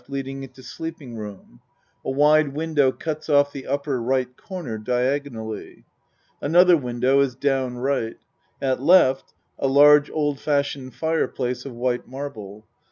leading into sleeping room. A wide window cuts off the upper R. corner diagonally. Another window is down R. At L. a large old fashioned fire place of white marble.